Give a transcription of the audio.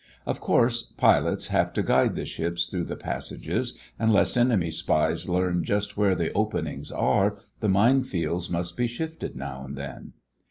Of course pilots have to guide the ships through the passages and lest enemy spies learn just where the openings are the mine fields must be shifted now and then.